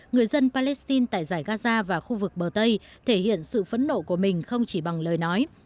người dân palestine tại giải gaza và khu vực bờ tây thể hiện sự phẫn nộ của mình không chỉ bằng lời nói